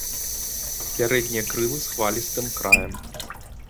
Пярэднія крылы з хвалістых краем.